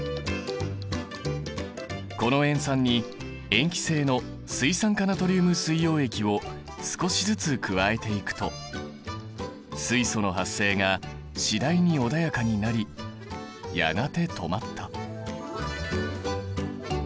この塩酸に塩基性の水酸化ナトリウム水溶液を少しずつ加えていくと水素の発生が次第に穏やかになりやがて止まった。